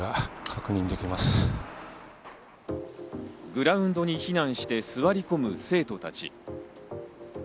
グラウンドに避難して座り込む生徒たち。